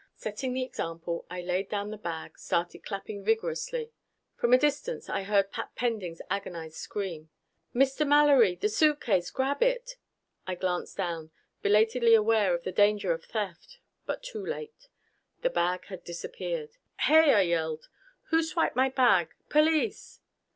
Setting the example, I laid down the bag, started clapping vigorously. From a distance I heard Pat Pending's agonized scream. "Mr. Mallory the suitcase! Grab it!" I glanced down, belatedly aware of the danger of theft. But too late. The bag had disappeared. "Hey!" I yelled. "Who swiped my bag? Police!"